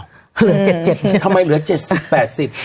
เหลือเจ็ดเจ็ดสิบทำไมเหลือเจ็ดสิบแปดสิบ